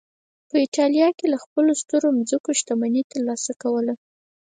په اېټالیا کې له خپلو سترو ځمکو شتمني ترلاسه کوله